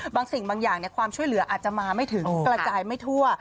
บางสิ่งบางอย่างความช่วยเหลืออาจจะมาไม่ถึงกระจายไม่ทั่ว